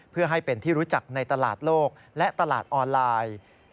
เพื่อให้เป็นที่รู้จักในตลาดโลกและตลาดออนไลน์